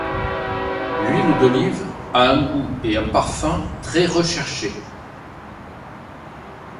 L'huile d'olive a un goût et un parfum très recherché.